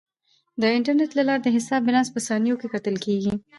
د انټرنیټ له لارې د حساب بیلانس په ثانیو کې کتل کیږي.